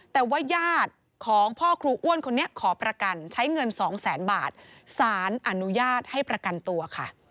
แต่ว่าญาติของพ่อครูอ้วนคนนี้ขอประกันใช้เงินสองแสนบาทสารอนุญาตให้ประกันตัวค่ะ